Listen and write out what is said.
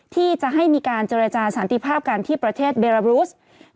ที่จะให้มีการเจรจาสันติภาพกันที่ประเทศเบราบรูส